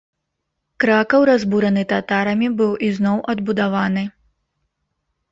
Кракаў, разбураны татарамі, быў ізноў адбудаваны.